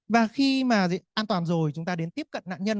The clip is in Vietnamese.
và khi mà an toàn rồi chúng ta đến tiếp cận nạn nhân